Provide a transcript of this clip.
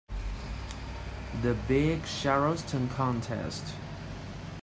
The big Charleston contest.